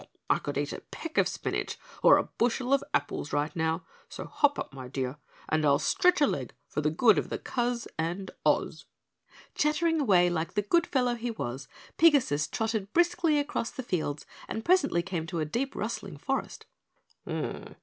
I could eat a peck of spinach or a bushel of apples right now, so hop up, my dear, and I'll stretch a leg for the good of the coz and Oz!" Chattering away like the good fellow he was, Pigasus trotted briskly across the fields and presently came to a deep rustling forest.